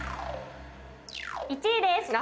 １位です。